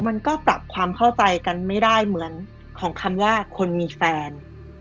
มันก็ปรับความเข้าใจกันไม่ได้เหมือนของคำว่าคนมีแฟน